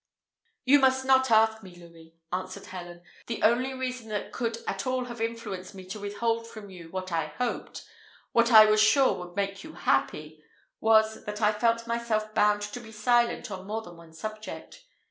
"You must not ask me, Louis," answered Helen; "the only reason that could at all have influenced me to withhold from you what I hoped what I was sure would make you happy was, that I felt myself bound to be silent on more than one subject.